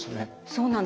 そうなんです。